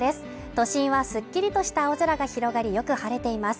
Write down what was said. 都心はすっきりとした青空が広がりよく晴れています。